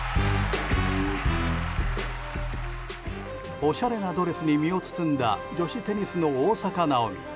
おしゃれなドレスに身を包んだ女子テニスの大坂なおみ。